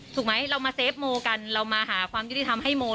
ถูกไหมเรามาเฟฟโมกันเรามาหาความยุติธรรมให้โม